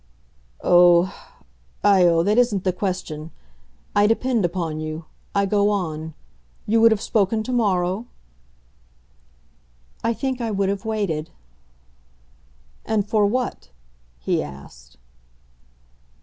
"Oh; I oh that isn't the question. I depend upon you. I go on. You would have spoken to morrow?" "I think I would have waited." "And for what?" he asked.